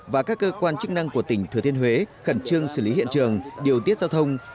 và các cơ quan chức năng của tỉnh thừa thiên huế khẩn trương xử lý hiện trường điều tiết giao thông